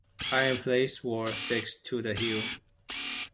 Iron plates were fixed to the heel.